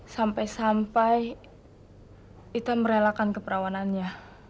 sampai sampai kita merelakan keperawanannya